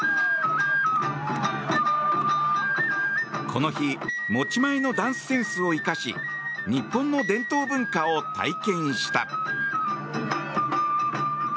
この日持ち前のダンスセンスを生かし日本の伝統文化を体験した。